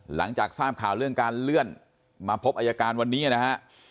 หลังจากทราบข่าวเรื่องการเลื่อนมาพบอายการวันนี้นะฮะ